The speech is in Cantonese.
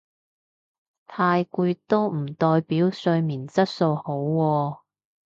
太攰都唔代表睡眠質素好喎